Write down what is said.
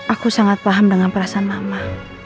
aku sangat paham dengan perasaan lama